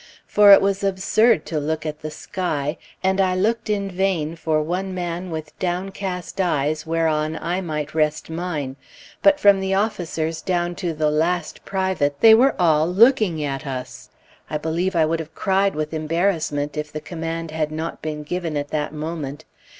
For it was absurd to look at the sky, and I looked in vain for one man with downcast eyes whereon I might rest mine; but from the officers down to the last private, they were all looking at us. I believe I would have cried with embarrassment if the command had not been given at that moment.